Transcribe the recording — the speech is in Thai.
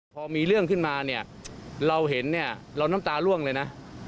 พอมีเรื่องขึ้นมาเนี่ยเราเห็นเนี่ยเราน้ำตาล่วงเลยนะ